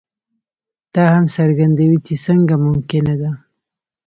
دا هم څرګندوي چې څنګه ممکنه ده.